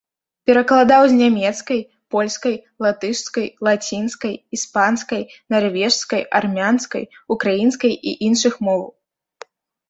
Перакладаў з нямецкай, польскай, латышскай, лацінскай, іспанскай, нарвежскай, армянскай, украінскай і іншых моў.